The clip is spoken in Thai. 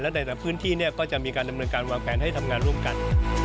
ในแต่ละพื้นที่ก็จะมีการดำเนินการวางแผนให้ทำงานร่วมกัน